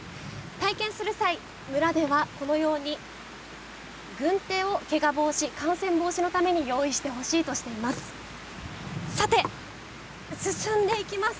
体験する際、村ではこのように軍手をけが防止、感染防止のために用意してほしいとしています。